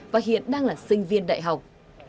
và hiện đang là sinh viên đại học